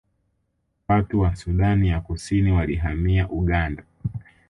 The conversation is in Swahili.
Watu wa Sudani ya Kusini walihamia Uganda